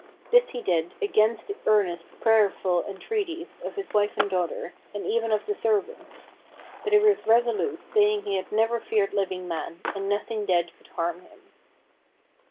This he did against the earnest, prayerful entreaties of his wife and daughter, and even of the servants. But he was re solute, saying he had never feared living man, and nothing dead could harm him.